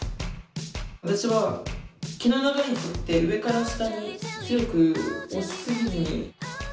私は毛の流れに沿って上から下に強く押しすぎずに。